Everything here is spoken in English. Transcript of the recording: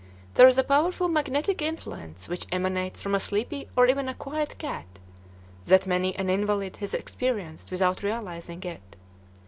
There is a powerful magnetic influence which emanates from a sleepy or even a quiet cat, that many an invalid has experienced without realizing it.